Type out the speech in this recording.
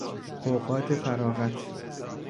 اوقات فراغت